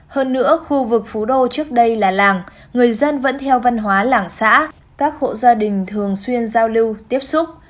hơn nữa khu vực phú đô trước đây là làng người dân vẫn theo văn hóa làng xã các hộ gia đình thường xuyên giao lưu tiếp xúc